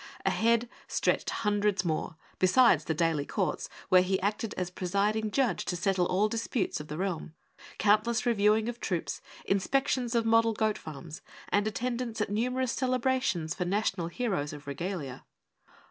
Ahead stretched hundreds more, besides the daily courts where he acted as presiding Judge to settle all disputes of the realm; countless reviewings of troops; inspections of model goat farms; and attendance at numerous celebrations for national heroes of Regalia.